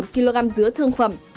một kg dứa thương phẩm